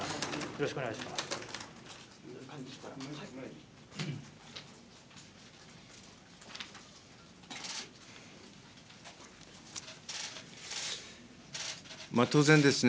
よろしくお願いします。